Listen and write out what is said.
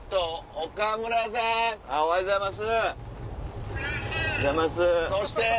おはようございます。